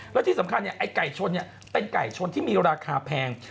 แล้วที่สำคัญไอ้ไก่ชนเป็นไก่ชนที่มีราคาแพง